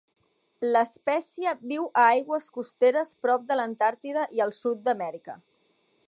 L"espècia viu a aigües costeres prop de l"Antàrtida i el Sud d"Amèrica.